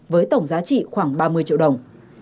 với tổng giá trị khoảng ba mươi triệu đồng